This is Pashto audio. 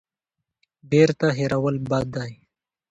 بیرته هېرول بد دی.